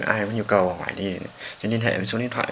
ai có nhu cầu hỏi thì liên hệ với số điện thoại